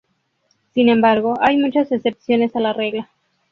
Sin embargo, hay muchas excepciones a la regla.